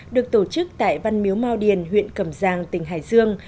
được tổ chức tại văn miếu mau điền huyện cầm giang tỉnh hải dương